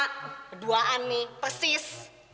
keduaan nih persis